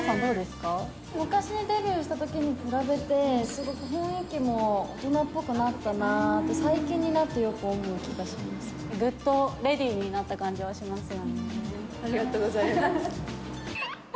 昔デビューしたときに比べて、すごく雰囲気も大人っぽくなったなって、最近になってよく思う気ぐっとレディーになった感じありがとうございます。